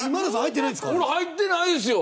俺、入ってないですよ。